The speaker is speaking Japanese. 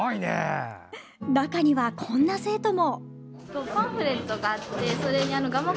中には、こんな生徒も。